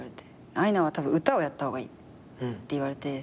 「アイナはたぶん歌をやった方がいい」って言われて。